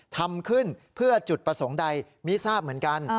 ทำขึ้นเพื่อจุดประสงค์ใดไม่ทราบเหมือนกัน